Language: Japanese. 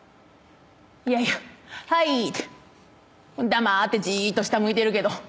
いやいや「はい」って黙ってじっと下向いてるけど。